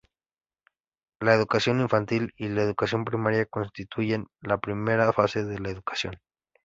La educación infantil y la educación primaria constituyen la primera fase de la educación.